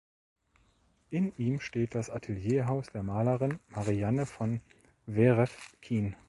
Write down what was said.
In ihm steht das Atelierhaus der Malerin Marianne von Werefkin.